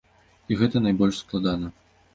І гэта найбольш складана.